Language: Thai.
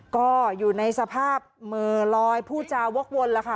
ก็อยู่ในสภาพเหม่อลอยผู้จาวกวนแล้วค่ะ